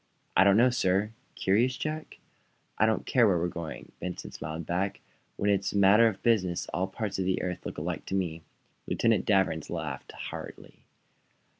"I don't know, sir." "Curious, Jack?" "I don't care where we're going," Benson smiled back. "When it's a matter of business all parts of the earth look alike to me." Lieutenant Danvers laughed heartily.